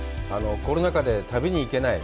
コロナ禍で旅に行けない。